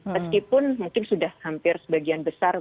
meskipun mungkin sudah hampir sebagian besar